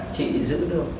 chị giữ được